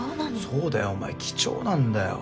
そうだよお前貴重なんだよ。